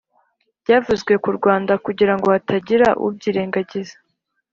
byavuzwe ku rwanda kugira ngo hatagira ubyirengagiza